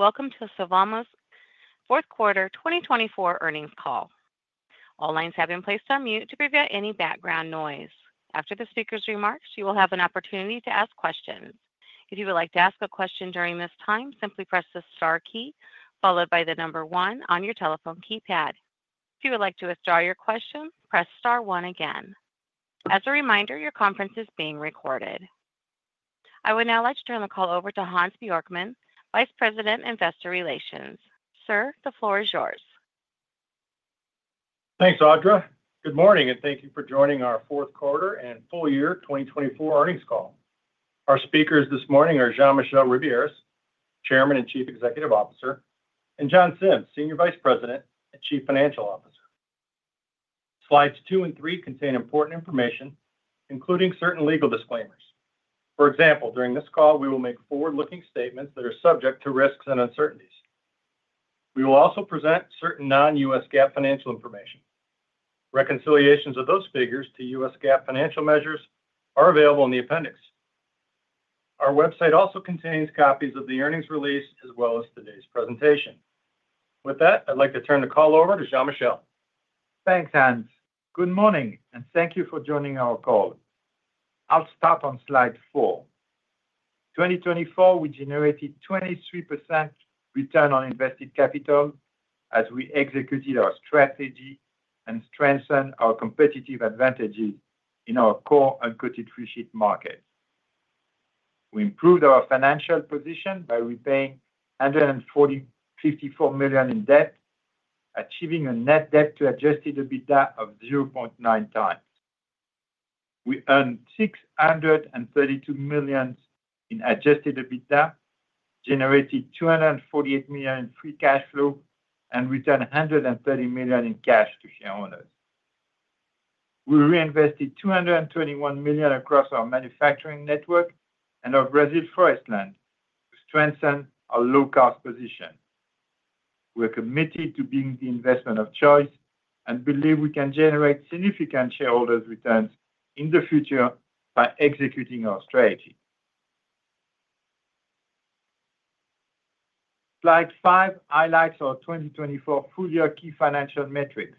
Welcome to Sylvamo's fourth quarter 2024 earnings call. All lines have been placed on mute to prevent any background noise. After the speaker's remarks, you will have an opportunity to ask questions. If you would like to ask a question during this time, simply press the star key followed by the number one on your telephone keypad. If you would like to withdraw your question, press star one again. As a reminder, your conference is being recorded. I would now like to turn the call over to Hans Bjorkman, Vice President, Investor Relations. Sir, the floor is yours. Thanks, Audra. Good morning, and thank you for joining our fourth quarter and full year 2024 earnings call. Our speakers this morning are Jean-Michel Ribiéras, Chairman and Chief Executive Officer, and John Sims, Senior Vice President and Chief Financial Officer. Slides two and three contain important information, including certain legal disclaimers. For example, during this call, we will make forward-looking statements that are subject to risks and uncertainties. We will also present certain non-U.S. GAAP financial information. Reconciliations of those figures to U.S. GAAP financial measures are available in the appendix. Our website also contains copies of the earnings release as well as today's presentation. With that, I'd like to turn the call over to Jean-Michel. Thanks, Hans. Good morning, and thank you for joining our call. I'll start on slide four. In 2024, we generated 23% return on invested capital as we executed our strategy and strengthened our competitive advantages in our core uncoated freesheet market. We improved our financial position by repaying $144 million in debt, achieving a net debt-to-Adjusted EBITDA of 0.9 times. We earned $632 million in Adjusted EBITDA, generated $248 million in free cash flow, and returned $130 million in cash to shareholders. We reinvested $221 million across our manufacturing network and our Brazil forest land to strengthen our low-cost position. We are committed to being the investment of choice and believe we can generate significant shareholders' returns in the future by executing our strategy. Slide five highlights our 2024 full year key financial metrics.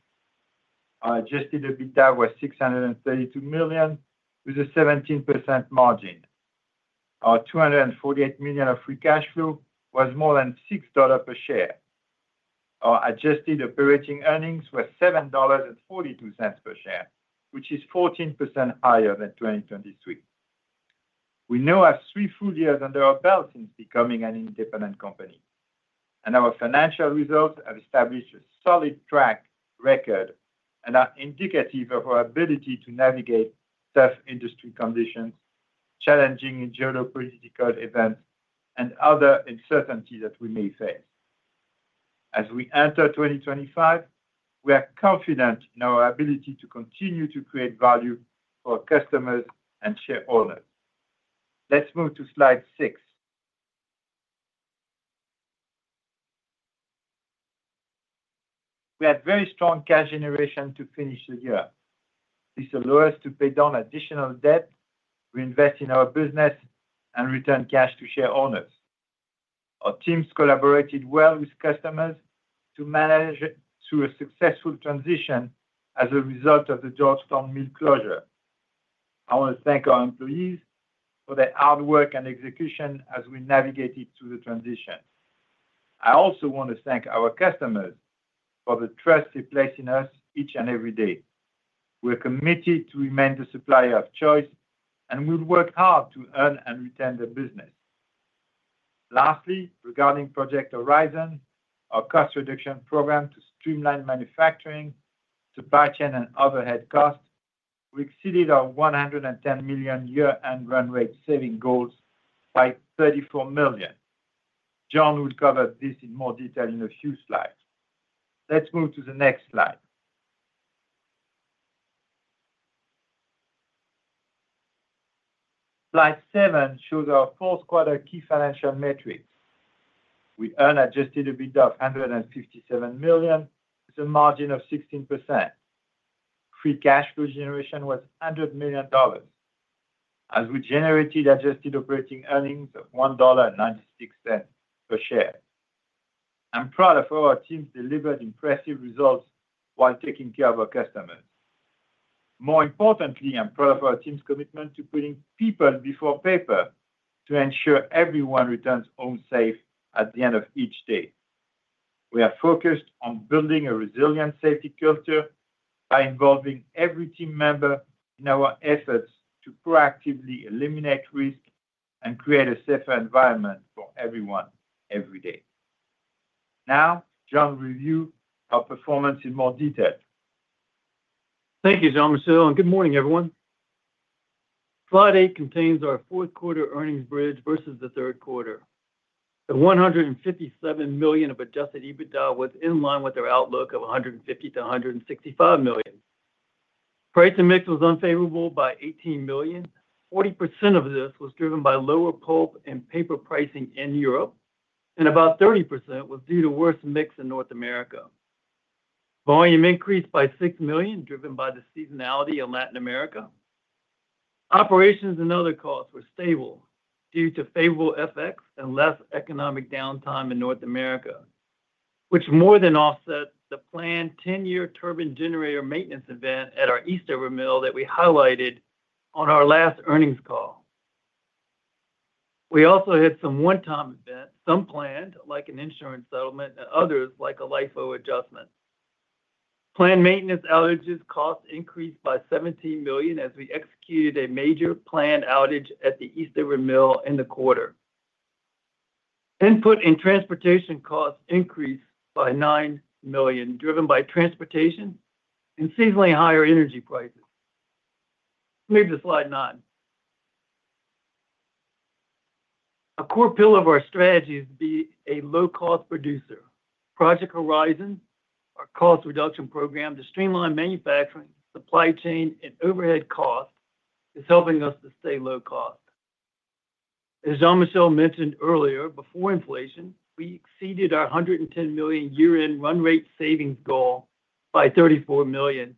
Our Adjusted EBITDA was $632 million with a 17% margin. Our $248 million of free cash flow was more than $6 per share. Our adjusted operating earnings were $7.42 per share, which is 14% higher than 2023. We now have three full years under our belt since becoming an independent company, and our financial results have established a solid track record and are indicative of our ability to navigate tough industry conditions, challenging geopolitical events, and other uncertainties that we may face. As we enter 2025, we are confident in our ability to continue to create value for our customers and shareholders. Let's move to slide six. We had very strong cash generation to finish the year. This allowed us to pay down additional debt, reinvest in our business, and return cash to shareholders. Our teams collaborated well with customers to manage through a successful transition as a result of the Georgetown mill closure. I want to thank our employees for their hard work and execution as we navigated through the transition. I also want to thank our customers for the trust they place in us each and every day. We are committed to remain the supplier of choice, and we will work hard to earn and retain the business. Lastly, regarding Project Horizon, our cost reduction program to streamline manufacturing, supply chain, and overhead costs, we exceeded our $110 million year-end run rate saving goals by $34 million. John will cover this in more detail in a few slides. Let's move to the next slide. Slide seven shows our fourth quarter key financial metrics. We earned Adjusted EBITDA of $157 million with a margin of 16%. Free cash flow generation was $100 million as we generated adjusted operating earnings of $1.96 per share. I'm proud of how our teams delivered impressive results while taking care of our customers. More importantly, I'm proud of our team's commitment to putting people before paper to ensure everyone returns home safe at the end of each day. We are focused on building a resilient safety culture by involving every team member in our efforts to proactively eliminate risk and create a safer environment for everyone every day. Now, John will review our performance in more detail. Thank you, Jean-Michel. Good morning, everyone. Slide eight contains our fourth quarter earnings bridge versus the third quarter. The $157 million of adjusted EBITDA was in line with our outlook of $150-$165 million. Price and mix was unfavorable by $18 million. 40% of this was driven by lower pulp and paper pricing in Europe, and about 30% was due to worse mix in North America. Volume increased by $6 million, driven by the seasonality in Latin America. Operations and other costs were stable due to favorable effects and less economic downtime in North America, which more than offsets the planned 10-year turbine generator maintenance event at our Eastover mill that we highlighted on our last earnings call. We also had some one-time events, some planned, like an insurance settlement, and others like a LIFO adjustment. Planned maintenance outage costs increased by $17 million as we executed a major planned outage at the Eastover mill in the quarter. Input and transportation costs increased by $9 million, driven by transportation and seasonally higher energy prices. Move to slide nine. A core pillar of our strategy is to be a low-cost producer. Project Horizon, our cost reduction program to streamline manufacturing, supply chain, and overhead costs, is helping us to stay low cost. As Jean-Michel mentioned earlier, before inflation, we exceeded our $110 million year-end run rate savings goal by $34 million.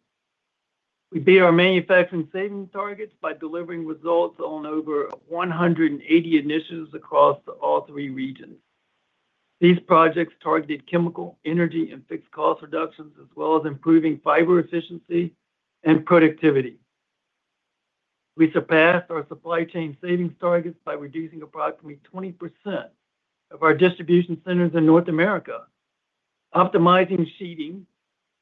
We beat our manufacturing savings targets by delivering results on over 180 initiatives across all three regions. These projects targeted chemical, energy, and fixed cost reductions, as well as improving fiber efficiency and productivity. We surpassed our supply chain savings targets by reducing approximately 20% of our distribution centers in North America, optimizing sheeting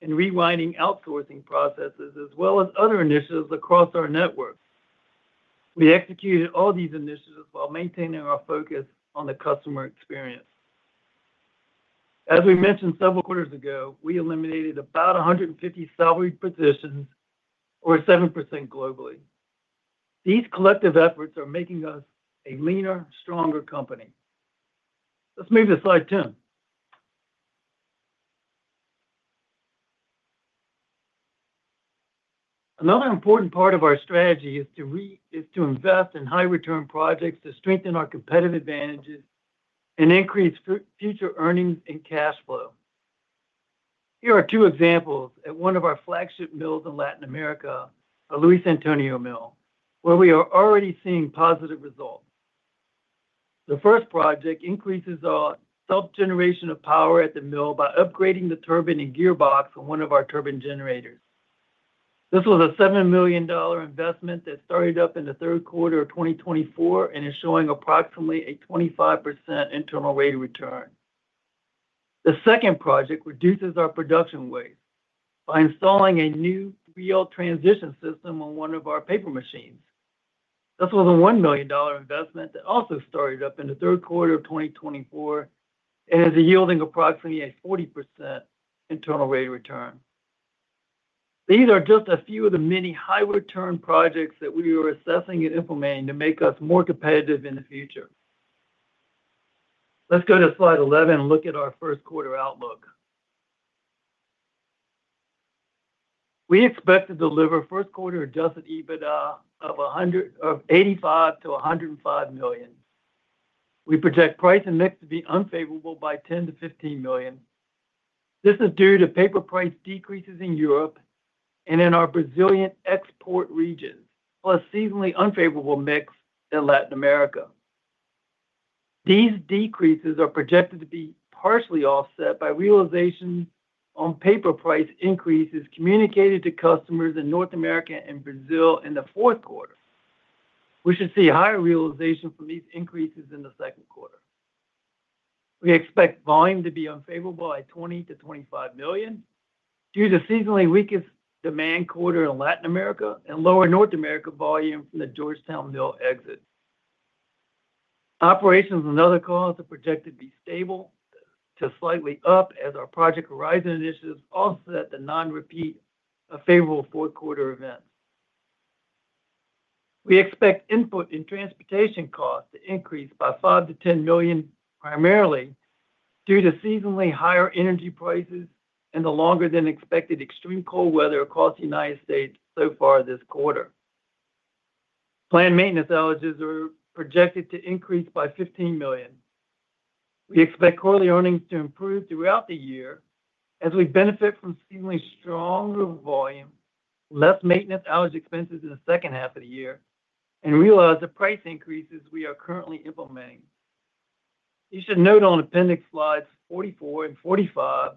and rewinding outsourcing processes, as well as other initiatives across our network. We executed all these initiatives while maintaining our focus on the customer experience. As we mentioned several quarters ago, we eliminated about 150 salaried positions, or 7% globally. These collective efforts are making us a leaner, stronger company. Let's move to slide two. Another important part of our strategy is to invest in high-return projects to strengthen our competitive advantages and increase future earnings and cash flow. Here are two examples at one of our flagship mills in Latin America, the Luiz Antônio mill, where we are already seeing positive results. The first project increases our self-generation of power at the mill by upgrading the turbine and gearbox on one of our turbine generators. This was a $7 million investment that started up in the third quarter of 2024 and is showing approximately a 25% internal rate of return. The second project reduces our production waste by installing a new wheel transition system on one of our paper machines. This was a $1 million investment that also started up in the third quarter of 2024 and is yielding approximately a 40% internal rate of return. These are just a few of the many high-return projects that we are assessing and implementing to make us more competitive in the future. Let's go to slide 11 and look at our first quarter outlook. We expect to deliver first quarter adjusted EBITDA of $85-$105 million. We project price and mix to be unfavorable by $10-$15 million. This is due to paper price decreases in Europe and in our Brazilian export regions, plus seasonally unfavorable mix in Latin America. These decreases are projected to be partially offset by realization on paper price increases communicated to customers in North America and Brazil in the fourth quarter. We should see higher realization from these increases in the second quarter. We expect volume to be unfavorable by $20-$25 million due to seasonally weakest demand quarter in Latin America and lower North America volume from the Georgetown mill exit. Operations and other costs are projected to be stable to slightly up as our Project Horizon initiatives offset the non-repeat favorable fourth quarter events. We expect input and transportation costs to increase by $5-$10 million primarily due to seasonally higher energy prices and the longer-than-expected extreme cold weather across the United States so far this quarter. Planned maintenance outages are projected to increase by $15 million. We expect quarterly earnings to improve throughout the year as we benefit from seasonally stronger volume, less maintenance outage expenses in the second half of the year, and realize the price increases we are currently implementing. You should note on appendix slides 44 and 45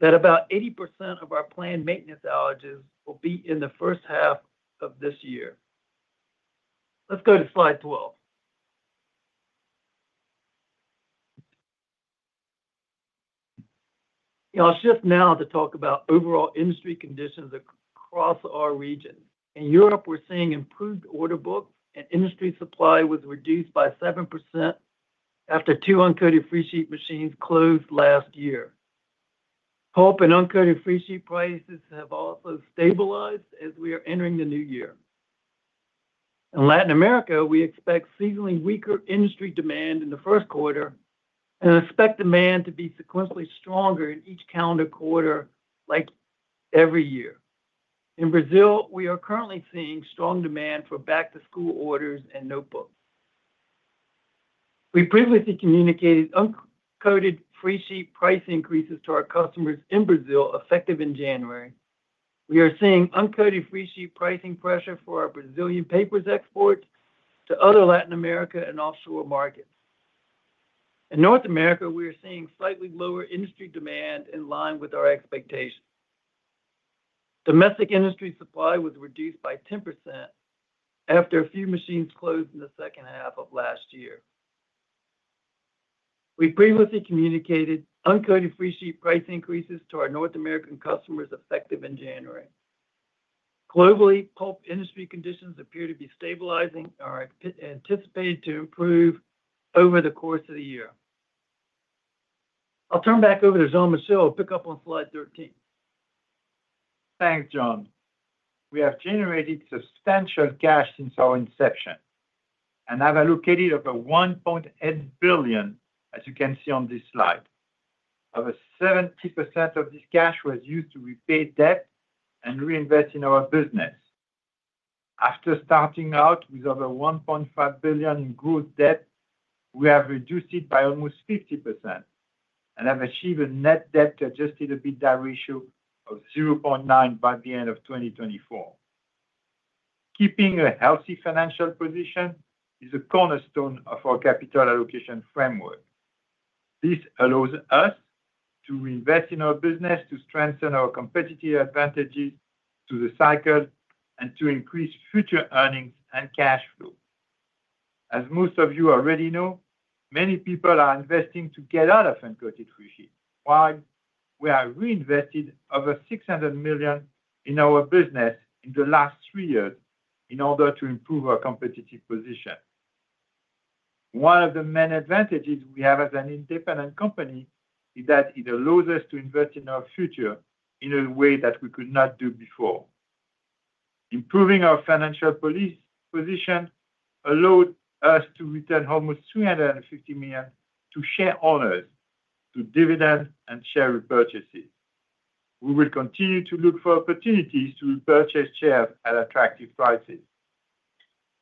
that about 80% of our planned maintenance outages will be in the first half of this year. Let's go to slide 12. I'll shift now to talk about overall industry conditions across our region. In Europe, we're seeing improved order books, and industry supply was reduced by 7% after two uncoated freesheet machines closed last year. Pulp and uncoated freesheet prices have also stabilized as we are entering the new year. In Latin America, we expect seasonally weaker industry demand in the first quarter and expect demand to be sequentially stronger in each calendar quarter like every year. In Brazil, we are currently seeing strong demand for back-to-school orders and notebooks. We previously communicated uncoated freesheet price increases to our customers in Brazil effective in January. We are seeing uncoated freesheet pricing pressure for our Brazilian paper exports to other Latin America and offshore markets. In North America, we are seeing slightly lower industry demand in line with our expectations. Domestic industry supply was reduced by 10% after a few machines closed in the second half of last year. We previously communicated uncoated freesheet price increases to our North American customers effective in January. Globally, pulp industry conditions appear to be stabilizing and are anticipated to improve over the course of the year. I'll turn back over to Jean-Michel. I'll pick up on slide 13. Thanks, John. We have generated substantial cash since our inception and have allocated over $1.8 billion, as you can see on this slide. Over 70% of this cash was used to repay debt and reinvest in our business. After starting out with over $1.5 billion in gross debt, we have reduced it by almost 50% and have achieved a net debt-adjusted EBITDA ratio of 0.9 by the end of 2024. Keeping a healthy financial position is a cornerstone of our capital allocation framework. This allows us to reinvest in our business, to strengthen our competitive advantages to the cycle, and to increase future earnings and cash flow. As most of you already know, many people are investing to get out of uncoated freesheet, while we have reinvested over $600 million in our business in the last three years in order to improve our competitive position. One of the main advantages we have as an independent company is that it allows us to invest in our future in a way that we could not do before. Improving our financial position allowed us to return almost $350 million to share owners through dividend and share repurchases. We will continue to look for opportunities to repurchase shares at attractive prices.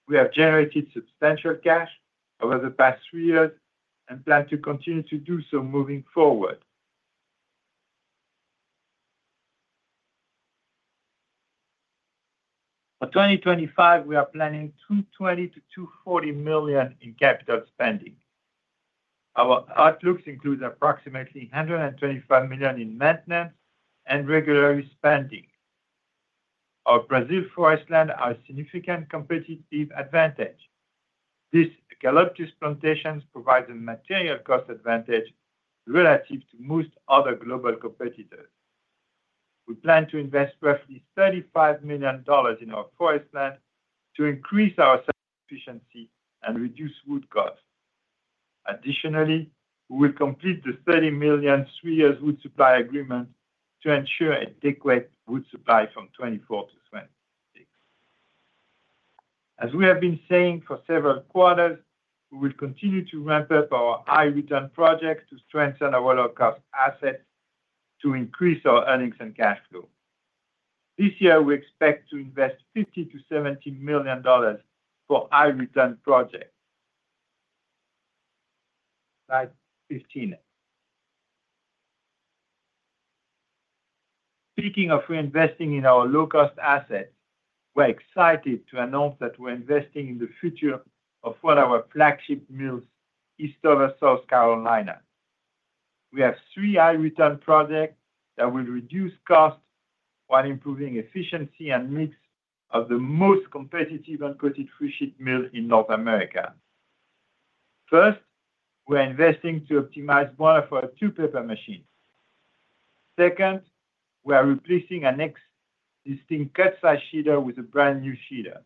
We have generated substantial cash over the past three years and plan to continue to do so moving forward. For 2025, we are planning $220-$240 million in capital spending. Our outlooks include approximately $125 million in maintenance and regular spending. Our Brazil forestlands are a significant competitive advantage. These eucalyptus plantations provide a material cost advantage relative to most other global competitors. We plan to invest roughly $35 million in our forestlands to increase our self-sufficiency and reduce wood costs. Additionally, we will complete the $30 million three-year wood supply agreement to ensure adequate wood supply from 2024 to 2026. As we have been saying for several quarters, we will continue to ramp up our high-return projects to strengthen our low-cost assets to increase our earnings and cash flow. This year, we expect to invest $50-$70 million for high-return projects. Slide 15. Speaking of reinvesting in our low-cost assets, we're excited to announce that we're investing in the future of one of our flagship mills, Eastover, South Carolina. We have three high-return projects that will reduce costs while improving efficiency and mix of the most competitive uncoated freesheet mill in North America. First, we're investing to optimize one of our two paper machines. Second, we're replacing an existing cut-size sheeter with a brand new sheeter.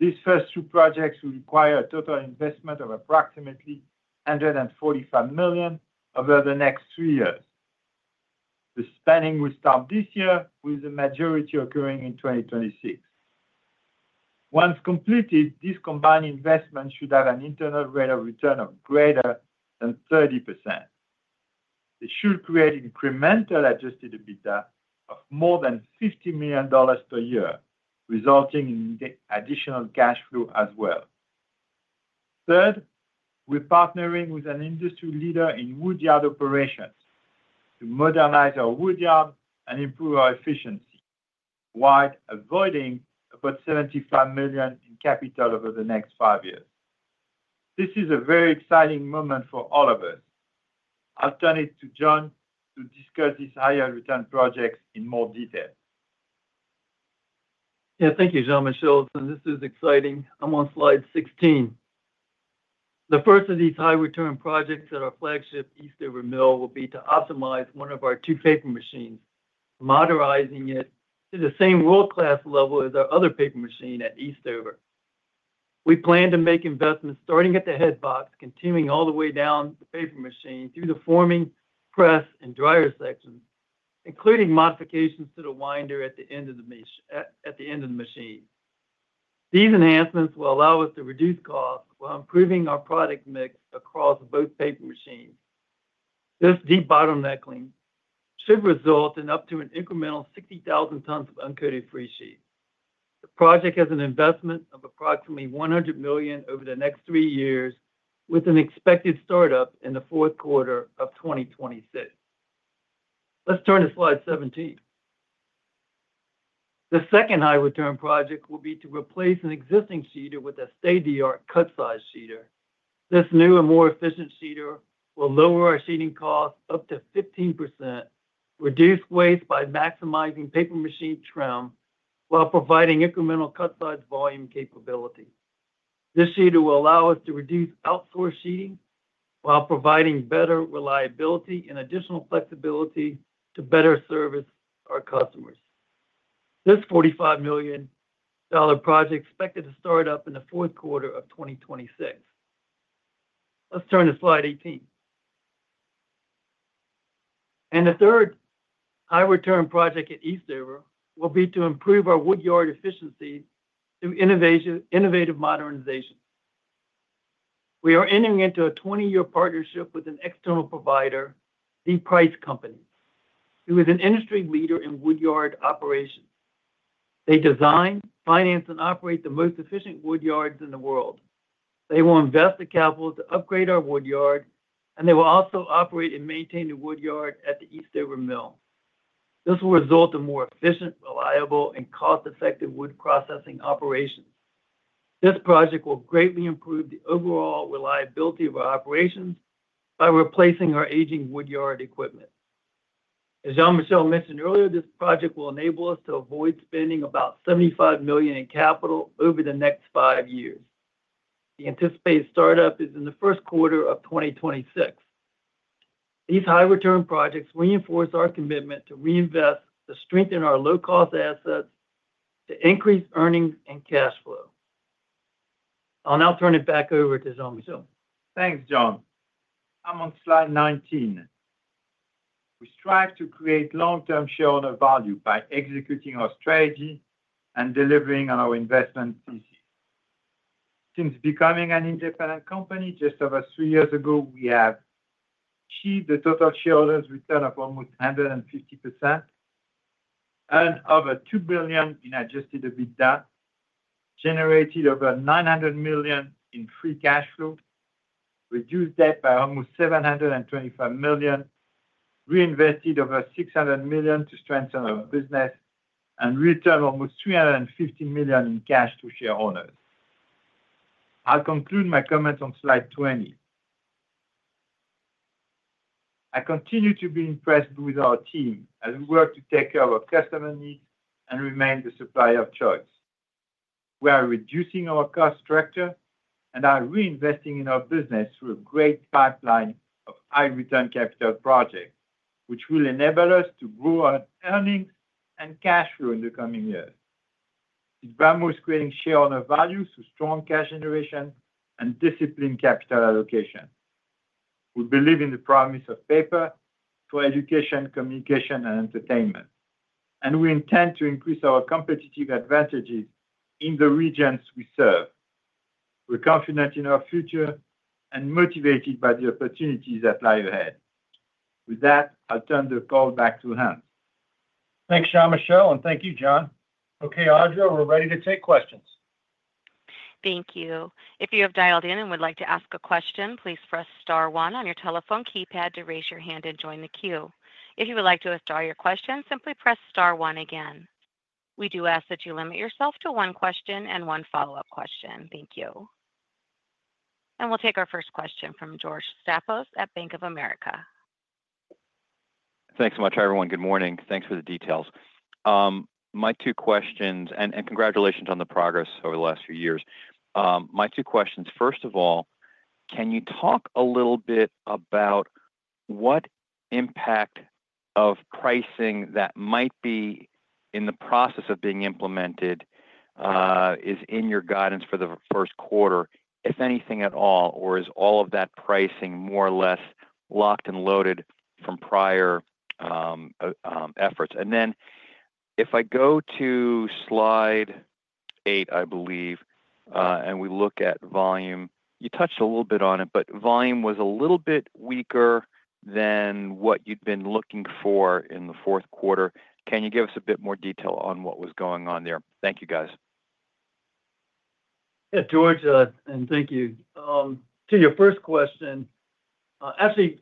These first two projects will require a total investment of approximately $145 million over the next three years. The spending will start this year, with the majority occurring in 2026. Once completed, this combined investment should have an internal rate of return of greater than 30%. It should create incremental Adjusted EBITDA of more than $50 million per year, resulting in additional cash flow as well. Third, we're partnering with an industry leader in woodyard operations to modernize our woodyard and improve our efficiency, while avoiding about $75 million in capital over the next five years. This is a very exciting moment for all of us. I'll turn it to John to discuss these higher-return projects in more detail. Yeah, thank you, Jean-Michel. This is exciting. I'm on slide 16. The first of these high-return projects at our flagship Eastover mill will be to optimize one of our two paper machines, modernizing it to the same world-class level as our other paper machine at Eastover. We plan to make investments starting at the head box, continuing all the way down the paper machine through the forming, press, and dryer sections, including modifications to the winder at the end of the machine. These enhancements will allow us to reduce costs while improving our product mix across both paper machines. This debottlenecking should result in up to an incremental 60,000 tons of uncoated freesheet. The project has an investment of approximately $100 million over the next three years, with an expected startup in the fourth quarter of 2026. Let's turn to slide 17. The second high-return project will be to replace an existing sheeter with a state-of-the-art cut-size sheeter. This new and more efficient sheeter will lower our sheeting costs up to 15%, reduce waste by maximizing paper machine trim while providing incremental cut-size volume capability. This sheeter will allow us to reduce outsource sheeting while providing better reliability and additional flexibility to better service our customers. This $45 million project is expected to start up in the fourth quarter of 2026. Let's turn to slide 18. The third high-return project at Eastover will be to improve our woodyard efficiency through innovative modernization. We are entering into a 20-year partnership with an external provider, The Price Companies, who is an industry leader in woodyard operations. They design, finance, and operate the most efficient woodyards in the world. They will invest the capital to upgrade our woodyard, and they will also operate and maintain the woodyard at the Eastover mill. This will result in more efficient, reliable, and cost-effective wood processing operations. This project will greatly improve the overall reliability of our operations by replacing our aging woodyard equipment. As Jean-Michel mentioned earlier, this project will enable us to avoid spending about $75 million in capital over the next five years. The anticipated startup is in the first quarter of 2026. These high-return projects reinforce our commitment to reinvest to strengthen our low-cost assets, to increase earnings and cash flow. I'll now turn it back over to Jean-Michel. Thanks, John. I'm on slide 19. We strive to create long-term shareholder value by executing our strategy and delivering on our investment thesis. Since becoming an independent company just over three years ago, we have achieved a total shareholders' return of almost 150% and over $2 billion in Adjusted EBITDA, generated over $900 million in free cash flow, reduced debt by almost $725 million, reinvested over $600 million to strengthen our business, and returned almost $350 million in cash to shareholders. I'll conclude my comments on slide 20. I continue to be impressed with our team as we work to take care of our customer needs and remain the supplier of choice. We are reducing our cost structure and are reinvesting in our business through a great pipeline of high-return capital projects, which will enable us to grow our earnings and cash flow in the coming years. It's about maximizing shareholder value through strong cash generation and disciplined capital allocation. We believe in the promise of paper for education, communication, and entertainment, and we intend to increase our competitive advantages in the regions we serve. We're confident in our future and motivated by the opportunities that lie ahead. With that, I'll turn the call back to Hans. Thanks, Jean-Michel, and thank you, John. Okay, Audra, we're ready to take questions. Thank you. If you have dialed in and would like to ask a question, please press star one on your telephone keypad to raise your hand and join the queue. If you would like to withdraw your question, simply press star one again. We do ask that you limit yourself to one question and one follow-up question. Thank you. And we'll take our first question from George Staphos at Bank of America. Thanks so much, everyone. Good morning. Thanks for the details. My two questions, and congratulations on the progress over the last few years. My two questions, first of all, can you talk a little bit about what impact of pricing that might be in the process of being implemented is in your guidance for the first quarter, if anything at all, or is all of that pricing more or less locked and loaded from prior efforts? And then if I go to slide eight, I believe, and we look at volume, you touched a little bit on it, but volume was a little bit weaker than what you'd been looking for in the fourth quarter. Can you give us a bit more detail on what was going on there? Thank you, guys. Yeah, George, and thank you. To your first question, actually,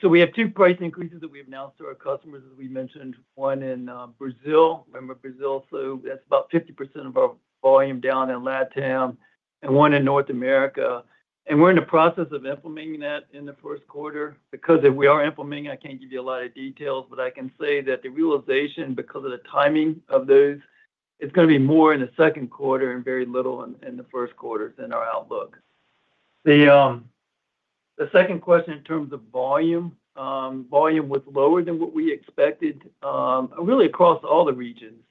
so we have two price increases that we've announced to our customers, as we mentioned, one in Brazil. Remember, Brazil, so that's about 50% of our volume down in LatAm, and one in North America, and we're in the process of implementing that in the first quarter because we are implementing. I can't give you a lot of details, but I can say that the realization, because of the timing of those, is going to be more in the second quarter and very little in the first quarter than our outlook. The second question in terms of volume, volume was lower than what we expected, really across all the regions,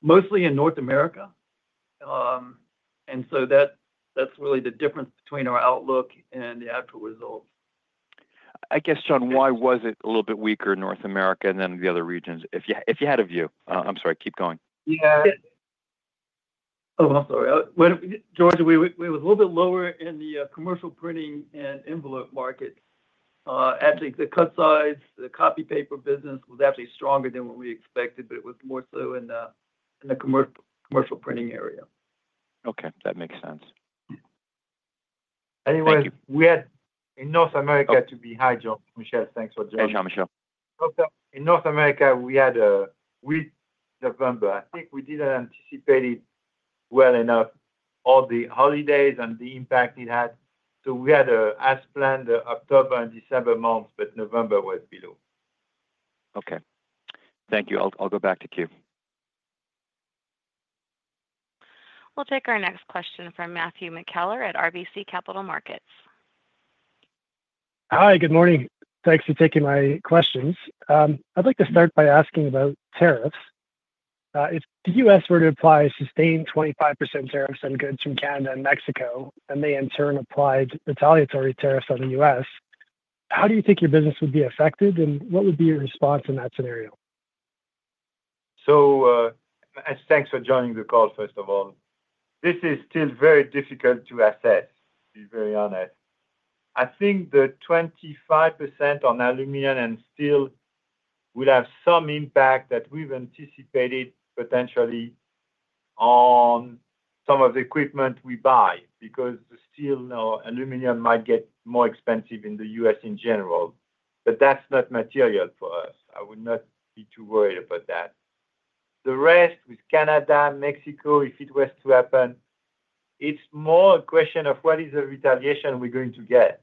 mostly in North America, and so that's really the difference between our outlook and the actual results. I guess, John, why was it a little bit weaker in North America than the other regions? If you had a view. I'm sorry, keep going. Yeah. Oh, I'm sorry. George, it was a little bit lower in the commercial printing and envelope market. Actually, the cut-size, the copy paper business was actually stronger than what we expected, but it was more so in the commercial printing area. Okay, that makes sense. Anyway, we had in North America to be high, John. Jean-Michel, thanks for joining us. Thanks, Jean-Michel. In North America, we had a weak November. I think we didn't anticipate it well enough, all the holidays and the impact it had. So we had as planned the October and December months, but November was below. Okay. Thank you. I'll go back to Q. We'll take our next question from Matthew McKellar at RBC Capital Markets. Hi, good morning. Thanks for taking my questions. I'd like to start by asking about tariffs. If the U.S. were to apply sustained 25% tariffs on goods from Canada and Mexico, and they in turn applied retaliatory tariffs on the U.S., how do you think your business would be affected, and what would be your response in that scenario? Thanks for joining the call, first of all. This is still very difficult to assess, to be very honest. I think the 25% on aluminum and steel will have some impact that we've anticipated potentially on some of the equipment we buy because the steel or aluminum might get more expensive in the U.S. in general. But that's not material for us. I would not be too worried about that. The rest with Canada, Mexico, if it was to happen, it's more a question of what is the retaliation we're going to get.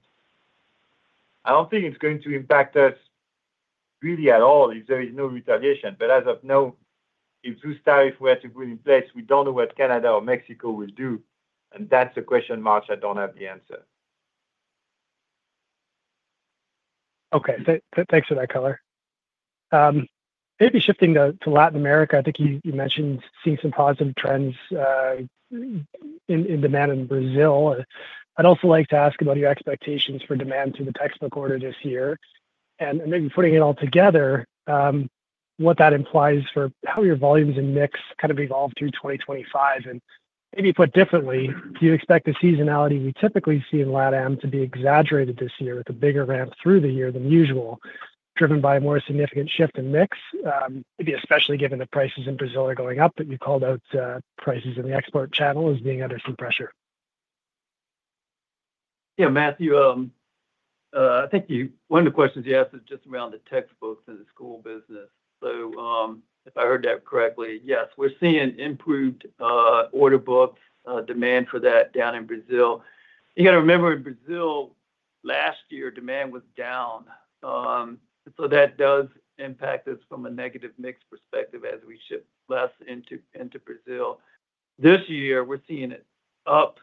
I don't think it's going to impact us really at all if there is no retaliation. But as of now, if those tariffs were to be in place, we don't know what Canada or Mexico will do. And that's a question mark I don't have the answer. Okay, thanks for that color. Maybe shifting to Latin America, I think you mentioned seeing some positive trends in demand in Brazil. I'd also like to ask about your expectations for demand through the textbook order this year, and maybe putting it all together, what that implies for how your volumes and mix kind of evolve through 2025, and maybe put differently, do you expect the seasonality we typically see in LatAm to be exaggerated this year with a bigger ramp through the year than usual, driven by a more significant shift in mix? Maybe especially given the prices in Brazil are going up, but you called out prices in the export channel as being under some pressure. Yeah, Matthew, I think one of the questions you asked is just around the textbooks and the school business. So if I heard that correctly, yes, we're seeing improved order books, demand for that down in Brazil. You got to remember, in Brazil, last year, demand was down. And so that does impact us from a negative mix perspective as we ship less into Brazil. This year, we're seeing it up,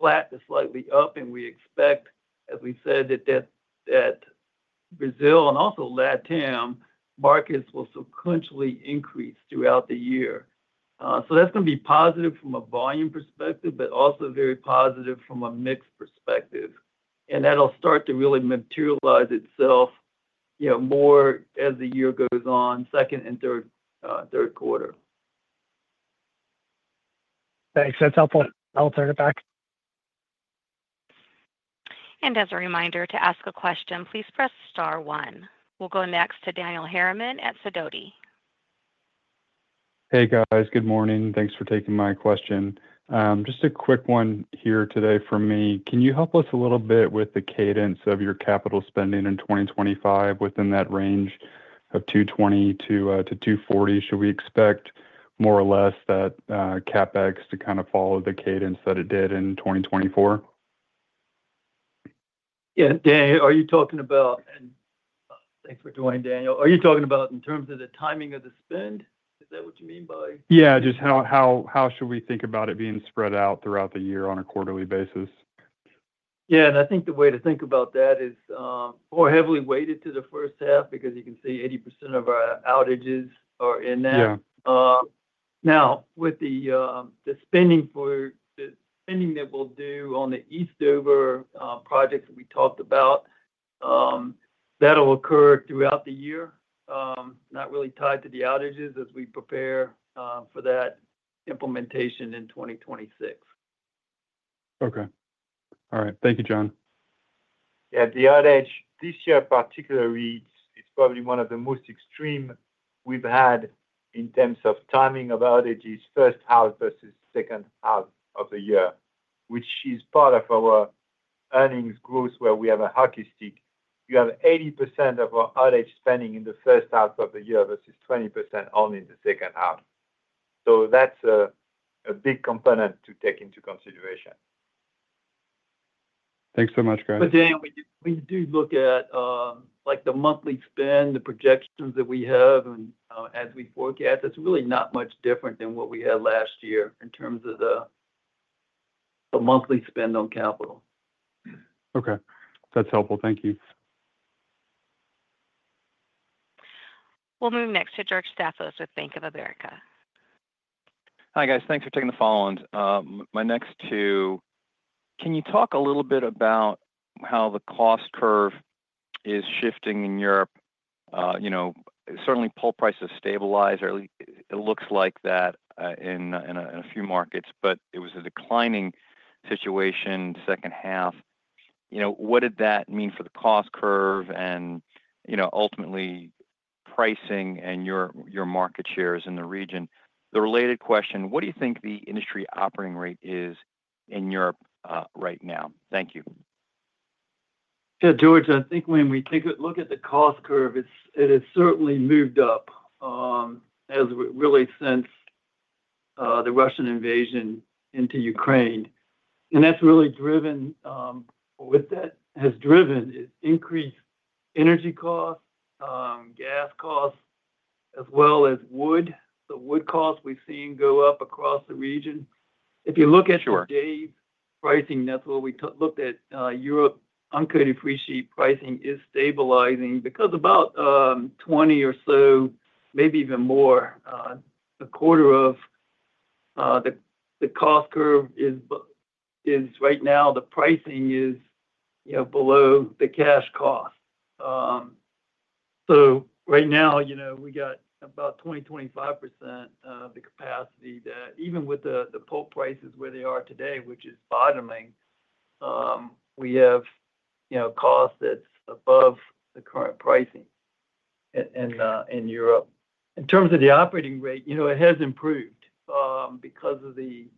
flat to slightly up, and we expect, as we said, that Brazil and also LatAm markets will sequentially increase throughout the year. So that's going to be positive from a volume perspective, but also very positive from a mix perspective. And that'll start to really materialize itself more as the year goes on, second and third quarter. Thanks. That's helpful. I'll turn it back. And as a reminder to ask a question, please press star one. We'll go next to Daniel Harriman at Sidoti. Hey, guys. Good morning. Thanks for taking my question. Just a quick one here today for me. Can you help us a little bit with the cadence of your capital spending in 2025 within that range of $220-$240? Should we expect more or less that CapEx to kind of follow the cadence that it did in 2024? Yeah. Daniel, are you talking about, thanks for joining, Daniel. Are you talking about in terms of the timing of the spend? Is that what you mean by? Yeah, just how should we think about it being spread out throughout the year on a quarterly basis? Yeah. And I think the way to think about that is more heavily weighted to the first half because you can see 80% of our outages are in that. Now, with the spending that we'll do on the Eastover projects that we talked about, that'll occur throughout the year, not really tied to the outages as we prepare for that implementation in 2026. Okay. All right. Thank you, John. Yeah. The outage this year particularly is probably one of the most extreme we've had in terms of timing of outages, first half versus second half of the year, which is part of our earnings growth where we have a hockey stick. You have 80% of our outage spending in the first half of the year versus 20% only in the second half. So that's a big component to take into consideration. Thanks so much, guys. But Daniel, when you do look at the monthly spend, the projections that we have and as we forecast, that's really not much different than what we had last year in terms of the monthly spend on capital. Okay. That's helpful. Thank you. We'll move next to George Staphos with Bank of America. Hi, guys. Thanks for taking the phone on. My next two. Can you talk a little bit about how the cost curve is shifting in Europe? Certainly, pulp prices stabilize. It looks like that in a few markets, but it was a declining situation second half. What did that mean for the cost curve and ultimately pricing and your market shares in the region? The related question, what do you think the industry operating rate is in Europe right now? Thank you. Yeah, George, I think when we look at the cost curve, it has certainly moved up really since the Russian invasion into Ukraine. And that's really driven what that has driven is increased energy costs, gas costs, as well as wood. The wood costs we've seen go up across the region. If you look at today's pricing, that's what we looked at. Europe uncoated freesheet pricing is stabilizing because about 20 or so, maybe even more, a quarter of the cost curve is right now the pricing is below the cash cost. So right now, we got about 20%-25% of the capacity that even with the pulp prices where they are today, which is bottoming, we have costs that's above the current pricing in Europe. In terms of the operating rate, it has improved because of the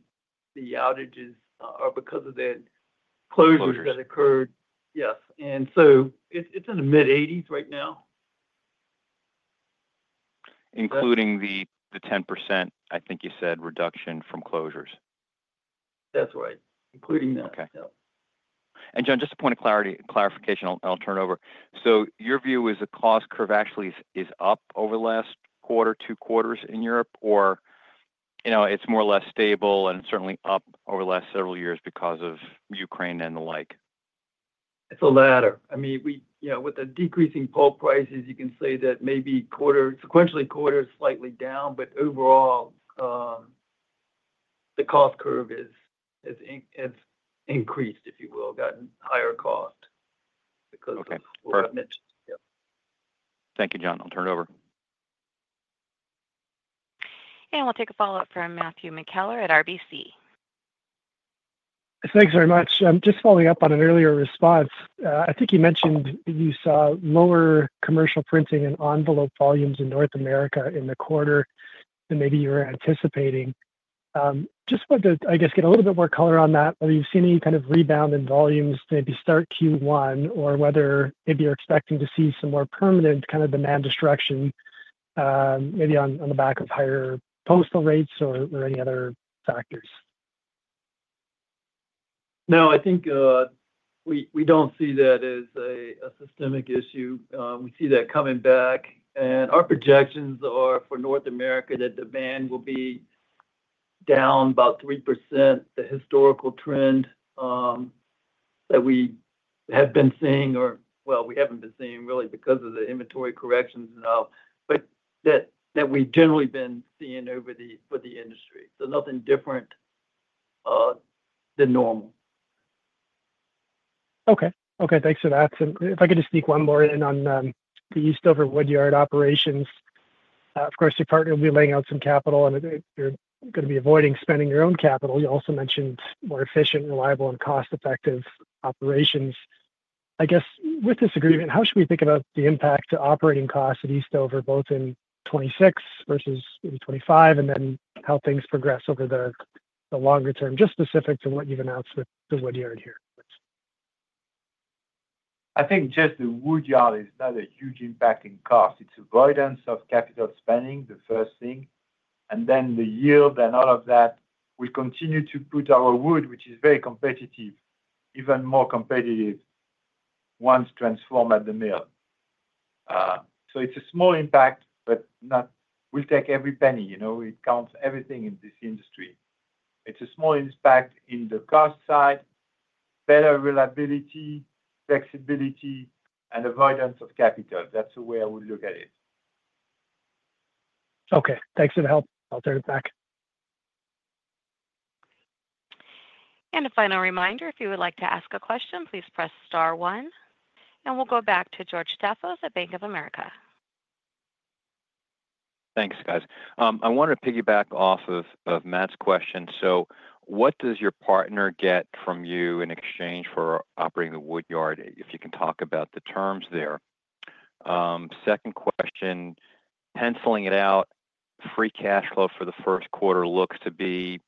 outages or because of the closures that occurred. Yes. It's in the mid-80s right now. Including the 10%, I think you said, reduction from closures. That's right. Including that. Okay. John, just a point of clarification. I'll turn over. So your view is the cost curve actually is up over the last quarter, two quarters in Europe, or it's more or less stable and certainly up over the last several years because of Ukraine and the like? It's the latter. I mean, with the decreasing pulp prices, you can say that maybe sequentially quarters slightly down, but overall, the cost curve has increased, if you will, gotten higher cost because of what I've mentioned. Thank you, John. I'll turn it over. We'll take a follow-up from Matthew McKellar at RBC. Thanks very much. Just following up on an earlier response, I think you mentioned you saw lower commercial printing and envelope volumes in North America in the quarter than maybe you were anticipating. Just wanted to, I guess, get a little bit more color on that. Have you seen any kind of rebound in volumes to maybe start Q1 or whether maybe you're expecting to see some more permanent kind of demand destruction maybe on the back of higher postal rates or any other factors? No, I think we don't see that as a systemic issue. We see that coming back. Our projections are for North America that demand will be down about 3%, the historical trend that we have been seeing or, well, we haven't been seeing really because of the inventory corrections and all, but that we've generally been seeing for the industry, so nothing different than normal. Okay. Okay. Thanks for that. And if I could just sneak one more in on the Eastover woodyard operations. Of course, your partner will be laying out some capital, and you're going to be avoiding spending your own capital. You also mentioned more efficient, reliable, and cost-effective operations. I guess with this agreement, how should we think about the impact to operating costs at Eastover both in 2026 versus 2025, and then how things progress over the longer term, just specific to what you've announced with the woodyard here? I think just the woodyard is not a huge impact in cost. It's avoidance of capital spending, the first thing, and then the yield and all of that. We continue to put our wood, which is very competitive, even more competitive once transformed at the mill, so it's a small impact, but we'll take every penny. It counts everything in this industry. It's a small impact in the cost side, better reliability, flexibility, and avoidance of capital. That's the way I would look at it. Okay. Thanks for the help. I'll turn it back. A final reminder, if you would like to ask a question, please press star one. We'll go back to George Staphos at Bank of America. Thanks, guys. I want to piggyback off of Matt's question. So what does your partner get from you in exchange for operating the woodyard if you can talk about the terms there? Second question, penciling it out, free cash flow for the first quarter looks to be,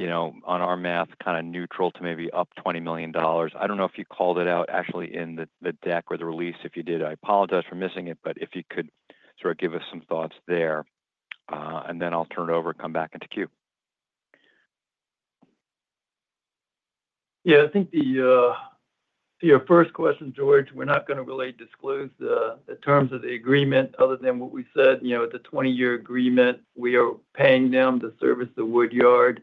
on our math, kind of neutral to maybe up $20 million. I don't know if you called it out actually in the deck or the release, if you did. I apologize for missing it, but if you could sort of give us some thoughts there. And then I'll turn it over and come back into Q. Yeah. I think your first question, George, we're not going to really disclose the terms of the agreement other than what we said. It's a 20-year agreement. We are paying them to service the woodyard.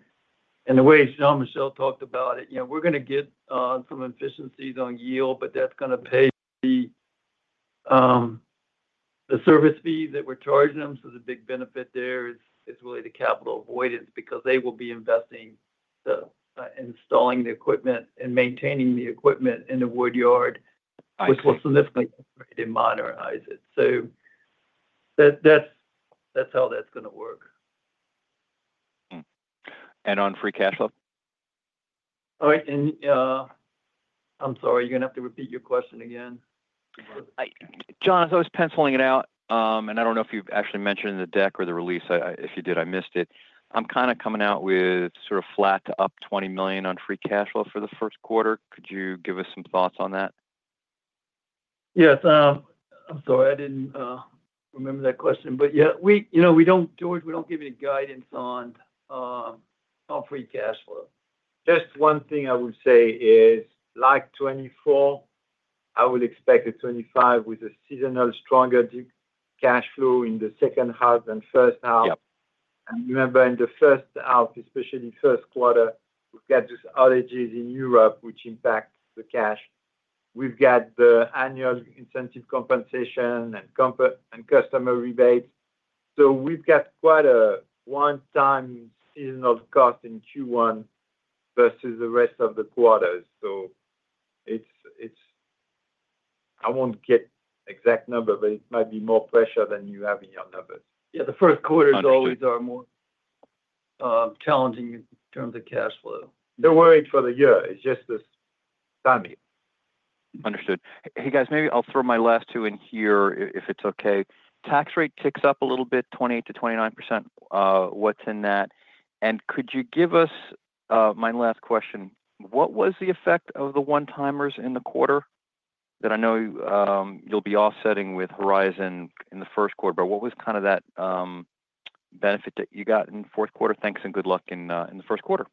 And the way John and Jean-Michel talked about it, we're going to get some efficiencies on yield, but that's going to pay the service fees that we're charging them. So the big benefit there is really the capital avoidance because they will be investing in installing the equipment and maintaining the equipment in the woodyard, which will significantly increase and modernize it. So that's how that's going to work. On free cash flow? All right, and I'm sorry, you're going to have to repeat your question again. John, I was penciling it out, and I don't know if you've actually mentioned in the deck or the release. If you did, I missed it. I'm kind of coming out with sort of flat to up $20 million on free cash flow for the first quarter. Could you give us some thoughts on that? Yes. I'm sorry. I didn't remember that question. But yeah, George, we don't give any guidance on free cash flow. Just one thing I would say is, like, 2024, I would expect a 2025 with a seasonal stronger cash flow in the second half than first half. And remember, in the first half, especially first quarter, we've got these outages in Europe, which impact the cash. We've got the annual incentive compensation and customer rebates. So we've got quite a one-time seasonal cost in Q1 versus the rest of the quarters. So I won't get the exact number, but it might be more pressure than you have in your numbers. Yeah. The first quarters always are more challenging in terms of cash flow. They're worried for the year. It's just this timing. Understood. Hey, guys, maybe I'll throw my last two in here if it's okay. Tax rate ticks up a little bit, 28%-29%. What's in that? And could you give us my last question? What was the effect of the one-timers in the quarter that I know you'll be offsetting with Horizon in the first quarter? But what was kind of that benefit that you got in the fourth quarter? Thanks and good luck in the first quarter.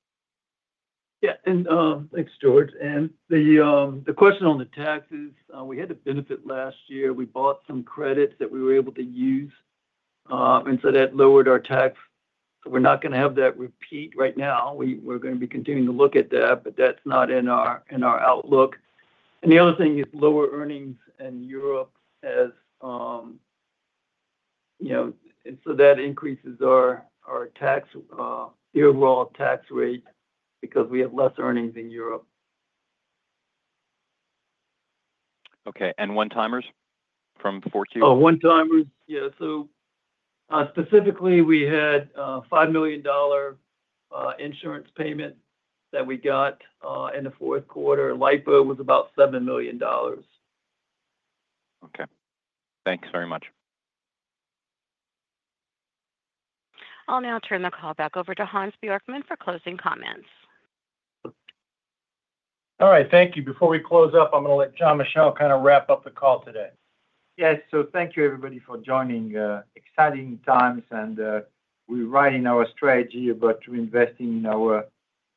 Yeah. And thanks, George. And the question on the taxes, we had a benefit last year. We bought some credits that we were able to use, and so that lowered our tax. So we're not going to have that repeat right now. We're going to be continuing to look at that, but that's not in our outlook. And the other thing is lower earnings in Europe, and so that increases the overall tax rate because we have less earnings in Europe. Okay, and one-timers from four Q? Oh, one-timers. Yeah. So specifically, we had a $5 million insurance payment that we got in the fourth quarter. LIFO was about $7 million. Okay. Thanks very much. I'll now turn the call back over to Hans Bjorkman for closing comments. All right. Thank you. Before we close up, I'm going to let Jean-Michel kind of wrap up the call today. Yes. So thank you, everybody, for joining. Exciting times, and we're writing our strategy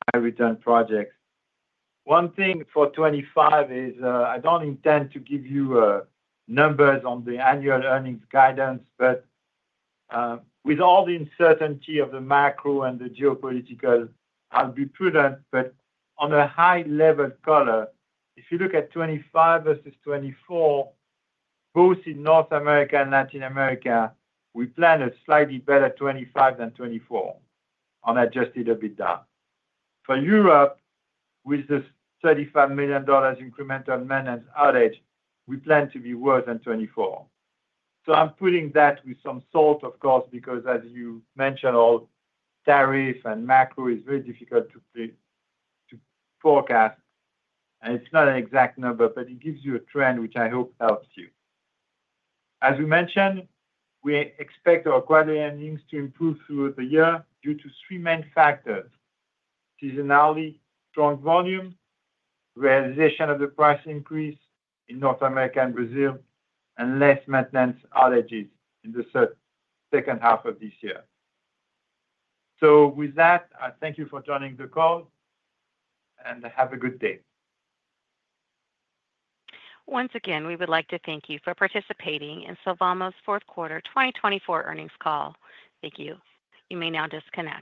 about investing in our high-return projects. One thing for 2025 is I don't intend to give you numbers on the annual earnings guidance, but with all the uncertainty of the macro and the geopolitical, I'll be prudent. But on a high-level color, if you look at 2025 versus 2024, both in North America and Latin America, we plan a slightly better 2025 than 2024. I'll adjust it a bit down. For Europe, with the $35 million incremental maintenance outage, we plan to be worse than 2024. So I'm putting that with some salt, of course, because, as you mentioned, all tariff and macro is very difficult to forecast. And it's not an exact number, but it gives you a trend, which I hope helps you. As we mentioned, we expect our quarterly earnings to improve through the year due to three main factors: seasonality strong volume, realization of the price increase in North America and Brazil, and less maintenance outages in the second half of this year. So with that, I thank you for joining the call, and have a good day. Once again, we would like to thank you for participating in Sylvamo's fourth quarter 2024 earnings call. Thank you. You may now disconnect.